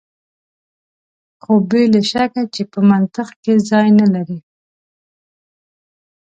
خو بې له شکه چې په منطق کې ځای نه لري.